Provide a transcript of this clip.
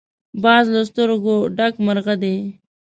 باز له سترګو ډک مرغه دی